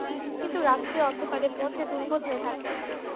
কিন্তু রাত্রের অন্ধকারে মন যে দুর্বল হয়ে থাকে।